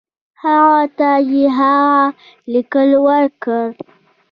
هغه ته یې هغه لیک ورکړ.